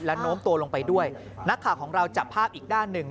โน้มตัวลงไปด้วยนักข่าวของเราจับภาพอีกด้านหนึ่ง